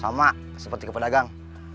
sama seperti ke pedagang